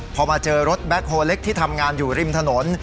พอมาเจอรถแบ็คโฮเล็กที่ทำงานอยู่ริมถนน